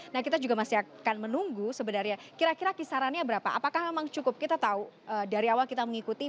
nah kita juga masih akan menunggu sebenarnya kira kira kisarannya berapa apakah memang cukup kita tahu dari awal kita mengikuti